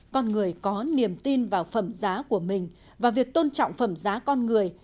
con người có niềm tin vào phẩm giá của mình và việc tôn trọng phẩm giá con người